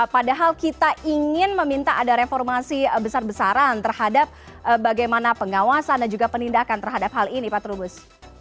padahal kita ingin meminta ada reformasi besar besaran terhadap bagaimana pengawasan dan juga penindakan terhadap hal ini pak trubus